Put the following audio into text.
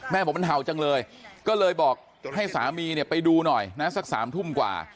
บอกมันเห่าจังเลยก็เลยบอกให้สามีเนี่ยไปดูหน่อยนะสัก๓ทุ่มกว่า